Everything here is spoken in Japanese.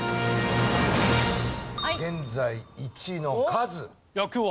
現在１位のカズ。